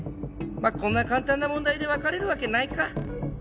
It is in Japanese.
まあこんな簡単な問題で分かれるわけないか。